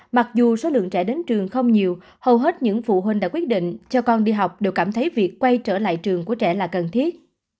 mặc dù số lượng trẻ đến trường không nhiều hầu hết những phụ huynh đã quyết định cho con đi học đều cảm thấy việc quay trở lại trường của trẻ là cần thiết